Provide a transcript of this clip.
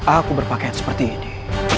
aku berpakaian seperti ini